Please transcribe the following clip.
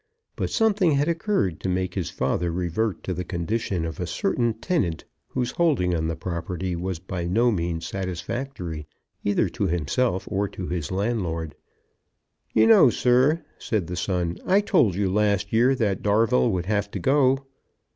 But something had occurred to make his father revert to the condition of a certain tenant, whose holding on the property was by no means satisfactory either to himself or to his landlord. "You know, sir," said the son, "I told you last year that Darvell would have to go."